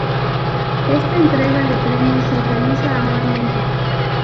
Esta entrega de premios se realiza anualmente.